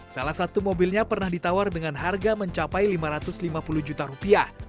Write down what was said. salah satu mobilnya pernah ditawar dengan harga mencapai lima ratus lima puluh juta rupiah